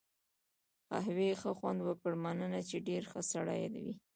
قهوې ښه خوند وکړ، مننه، چې ډېر ښه سړی وې.